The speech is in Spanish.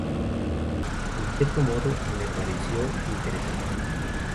En cierto modo me pareció interesante.